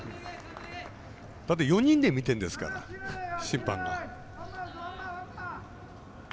だって、４人で見てんですから審判が。